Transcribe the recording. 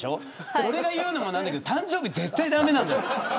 俺が言うのもなんだけど誕生日、絶対駄目だよ。